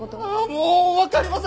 もうわかりません！